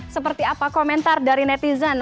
seperti apa komentar dari netizen